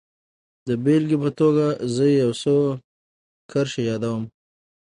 د بېلګې په توګه زه يې يو څو کرښې يادوم.